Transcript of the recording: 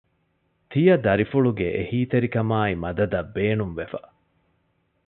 ތިޔަދަރިފުޅުގެ އެހީތެރިކަމާއި މަދަދަށް ބޭނުންވެފަ